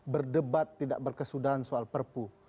berdebat tidak berkesudahan soal perpu